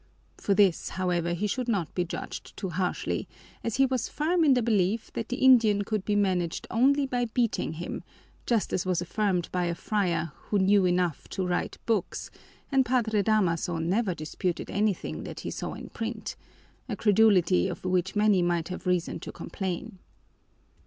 For this, however, he should not be judged too harshly, as he was firm in the belief that the Indian could be managed only by beating him, just as was affirmed by a friar who knew enough to write books, and Padre Damaso never disputed anything that he saw in print, a credulity of which many might have reason to complain.